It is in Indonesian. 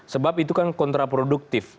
sebab itu kan kontraproduktif